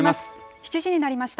７時になりました。